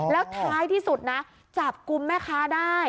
แล้วท้ายที่สุดนะจับกลุ่มแม่ค้าได้